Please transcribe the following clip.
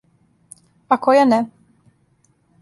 А која не?